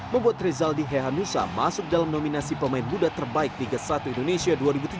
membuat rizaldi hehanusa masuk dalam nominasi pemain muda terbaik liga satu indonesia dua ribu tujuh belas